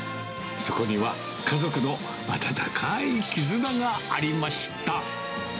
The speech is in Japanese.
そこには、家族の温かい絆がありました。